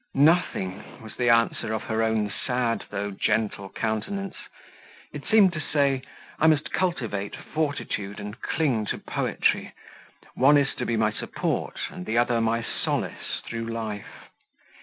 "Nothing," was the answer of her own sad, though gentle countenance; it seemed to say, "I must cultivate fortitude and cling to poetry; one is to be my support and the other my solace through life.